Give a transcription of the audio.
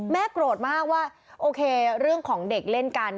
โกรธมากว่าโอเคเรื่องของเด็กเล่นกัน